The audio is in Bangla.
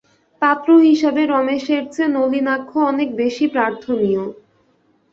পাত্র হিসাবে রমেশের চেয়ে নলিনাক্ষ অনেক বেশি প্রার্থনীয়।